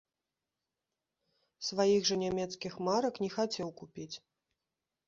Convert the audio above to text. Сваіх жа нямецкіх марак не хацеў купіць.